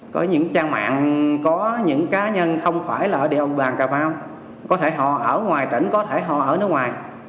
có những trang mạng có những cá nhân không phải là ở đoàn cà mau có thể họ ở ngoài tỉnh có thể họ ở nước ngoài